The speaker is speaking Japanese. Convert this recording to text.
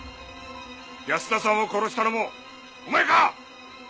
保田さんを殺したのもお前か！？